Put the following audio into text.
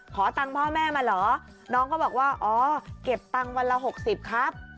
ขอตังค์พ่อแม่มาเหรอน้องก็บอกว่าอ๋อเก็บตังค์วันละ๖๐ครับ